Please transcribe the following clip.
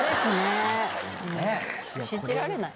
信じられない。